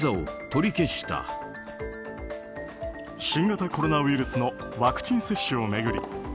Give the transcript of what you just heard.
新型コロナウイルスのワクチン接種を巡り